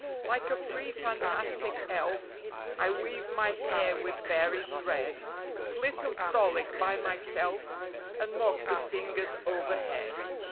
Like a free, fantastic elf, I weave my hair with berries red ; Flit and frolic by myself, And mock the singers overhead.